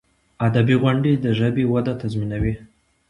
ادبي غونډي د ژبي وده تضمینوي.